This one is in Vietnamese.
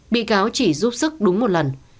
bị cáo chỉ giúp sức đúng một lần